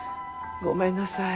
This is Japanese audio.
ごめんなさい。